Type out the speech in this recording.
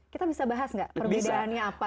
kita bisa bahas nggak perbedaannya apa